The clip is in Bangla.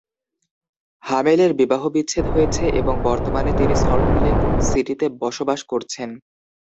হামেলের বিবাহ বিচ্ছেদ হয়েছে এবং বর্তমানে তিনি সল্ট লেক সিটিতে বসবাস করছেন।